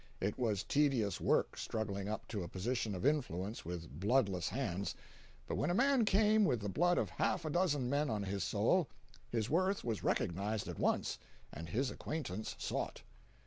It was tedious work struggling up to a position of influence with bloodless hands; but when a man came with the blood of half a dozen men on his soul, his worth was recognized at once and his acquaintance sought.